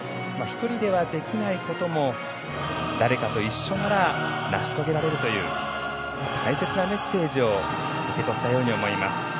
１人ではできないことも誰かと一緒なら成し遂げられるという大切なメッセージを受け取ったように思います。